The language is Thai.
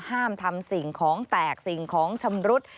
ห้ามทำสิ่งของแตกสิ่งของชำรุด